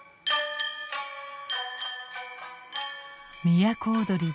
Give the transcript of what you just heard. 都をどり